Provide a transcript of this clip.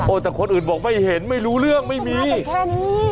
โอ้ยแต่คนอื่นบอกไม่เห็นไม่รู้เรื่องไม่มีเอ้าต่อมาเป็นแค่นี้